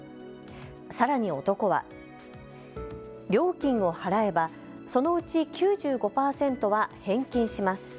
さらに男は料金を払えばそのうち９５％は返金します。